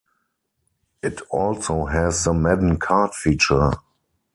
It also has the Madden Card feature.